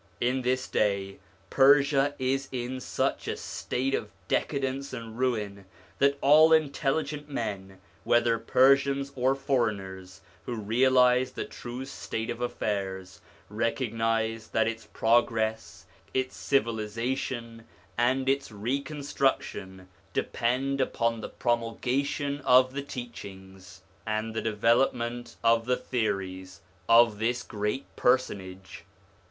In this day Persia is in such a state of decadence and ruin, that all intelligent men, whether Persians or foreigners, who realise the true state of affairs, recog nise that its progress, its civilisation and its reconstruc tion, depend upon the promulgation of the teachings and the development of the theories of this great personage.